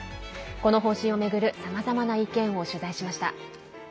この方針を巡るさまざまな意見を取材しました。